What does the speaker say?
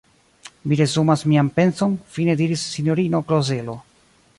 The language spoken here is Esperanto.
Mi resumas mian penson, fine diris sinjorino Klozelo.